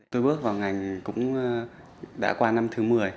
tôi bước vào ngành cũng đã qua năm thứ một mươi